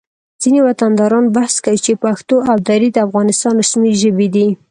ځینې وطنداران بحث کوي چې پښتو او دري د افغانستان رسمي ژبې دي